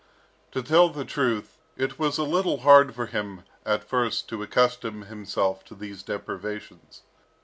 To tell the truth, it was a little hard for him at first to accustom himself to these deprivations.